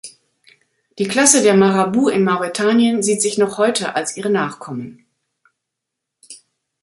Die Klasse der Marabouts in Mauretanien sieht sich noch heute als ihre Nachkommen.